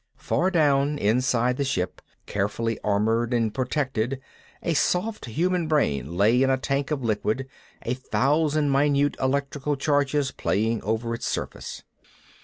Far down inside the ship, carefully armoured and protected, a soft human brain lay in a tank of liquid, a thousand minute electric charges playing over its surface.